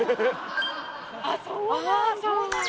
あっそうなんだ。